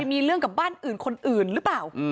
มีเรื่องกับบ้านอื่นคนอื่นหรือเปล่า